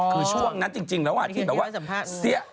คือช่วงนั้นจริงแล้วที่แบบว่าเสี้ย